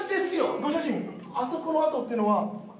ご主人あそこの跡っていうのは？